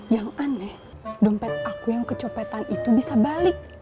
yang aneh dompet aku yang kecopetan itu bisa balik